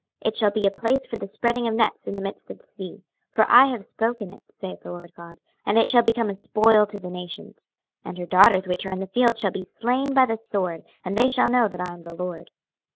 26:026:005 It shall be a place for the spreading of nets in the midst of the sea: for I have spoken it, saith the Lord GOD: and it shall become a spoil to the nations. 26:026:006 And her daughters which are in the field shall be slain by the sword; and they shall know that I am the LORD.